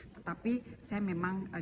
tetapi saya memang ditutup